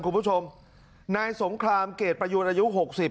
คุณผู้ชมนายสงครามเกรดประยูนอายุหกสิบ